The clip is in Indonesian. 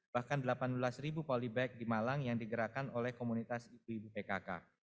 bahkan delapan belas ribu polybag di malang yang digerakkan oleh komunitas ibu ibu pkk